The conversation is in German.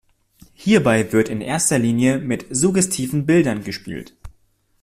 Hierbei wird in erster Linie mit suggestiven Bildern gespielt.